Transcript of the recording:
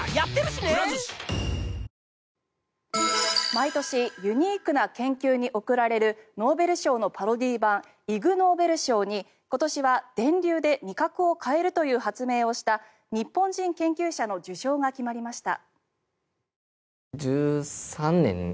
毎年ユニークな研究に贈られるノーベル賞のパロディー版イグノーベル賞に今年は電流で味覚を変えるという発明をした日本人研究者の受賞が決まりました。